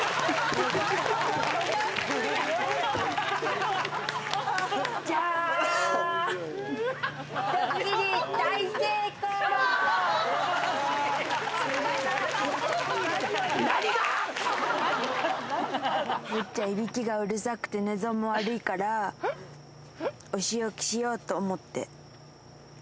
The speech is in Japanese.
よっちゃん、いびきがうるさくて、寝相も悪いから、お仕置きしようと思って。